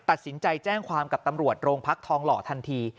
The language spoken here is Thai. ตัดสินใจแจ้งความกับตำรวจโรงพักทองหล่อทันที